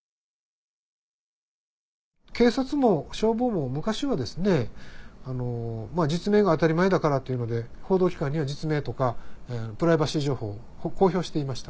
警察も消防も昔は実名が当たり前だからというので報道機関には実名とかプライバシー情報公表していました。